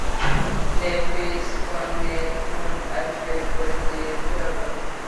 Le pays connaît une autre période trouble.